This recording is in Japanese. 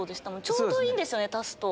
ちょうどいいんですよね足すと。